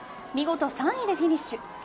見事３位でフィニッシュ。